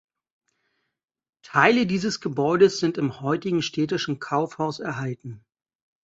Teile dieses Gebäudes sind im heutigen Städtischen Kaufhaus erhalten.